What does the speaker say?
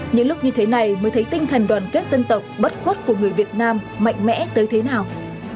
những lúc như thế này mới thấy tinh thần đoàn kết dân tộc bất khuất của người việt nam mạnh mẽ tới thế nào